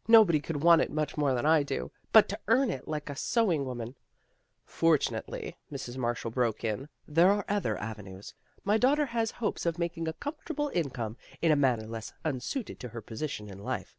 " Nobody could want it much more than I do. But to earn it like a sewing woman "Fortunately," Mrs. Marshall broke in, " there are other avenues. My daughter has hopes of making a comfortable income hi a manner less unsuited to her position in life."